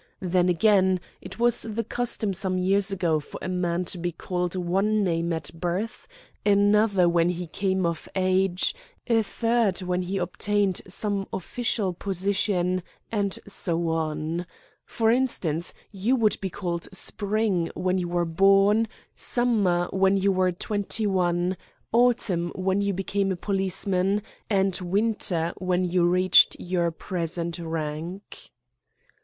Then, again, it was the custom some years ago for a man to be called one name at birth, another when he came of age, a third when he obtained some official position, and so on. For instance, you would be called Spring when you were born, Summer when you were twenty one, Autumn when you became a policeman, and Winter when you reached your present rank."